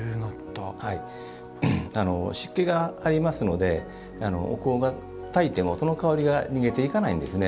湿気がありますのでお香がたいても、その香りが逃げていかないんですね。